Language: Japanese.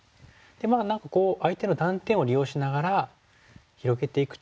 まあ何か相手の断点を利用しながら広げていくと。